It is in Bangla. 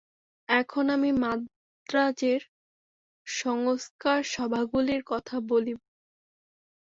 এখন আমি মান্দ্রাজের সংস্কার-সভাগুলির কথা বলিব।